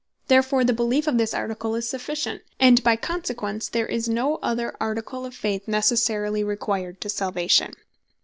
Therefore the beleef of this Article is sufficient; and by consequence there is no other Article of Faith Necessarily required to Salvation.